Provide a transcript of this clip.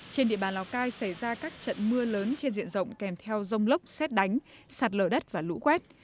trên địa bàn lào cai xảy ra các trận mưa lớn trên diện rộng kèm theo rông lốc xét đánh sạt lở đất và lũ quét